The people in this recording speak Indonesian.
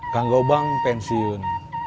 kang gobang pensiun